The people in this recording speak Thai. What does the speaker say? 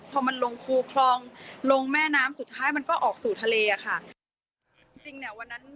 พอมันลงครูคลองลงแม่น้ำสุดท้ายมันก็ออกสู่ทะเลค่ะ